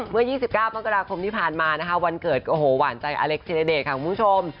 เมื่อ๒๙มกราคมที่ผ่านมานะคะวันเกิดโอ้โหหวานใจอเล็กธิรเดชค่ะคุณผู้ชม